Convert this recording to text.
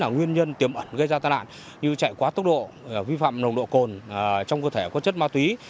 nguyên nhân tiềm ẩn gây ra tai nạn như chạy quá tốc độ vi phạm nồng độ cồn trong cơ thể có chất ma túy